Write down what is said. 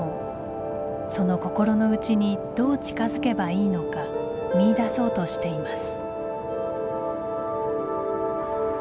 その心の内にどう近づけばいいのか見いだそうとしています。